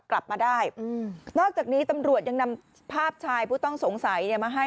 กลับมาได้อืมนอกจากนี้ตำรวจยังนำภาพชายผู้ต้องสงสัยเนี่ยมาให้